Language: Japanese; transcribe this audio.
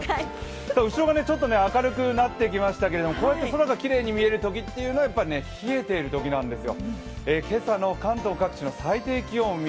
後ろも明るくなってきましたけどこうやって空がきれいに見えるときは冷えているときなんですよ。